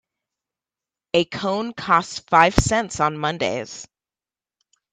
A cone costs five cents on Mondays.